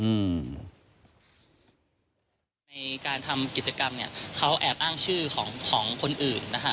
ในการทำกิจกรรมเนี่ยเขาแอบอ้างชื่อของคนอื่นนะคะ